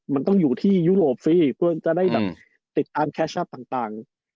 มันต้องอยู่ที่ยุโรปสิเพื่อจะได้แบบติดตามแคชชั่นต่าง